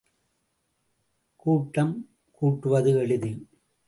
கூட்டம் கூட்டுவது எளிது!